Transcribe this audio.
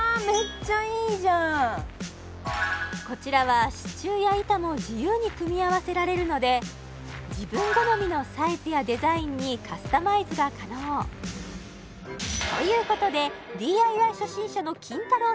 うわこちらは支柱や板も自由に組み合わせられるので自分好みのサイズやデザインにカスタマイズが可能ということでＤＩＹ初心者のキンタロー。